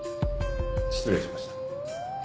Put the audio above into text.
失礼しました。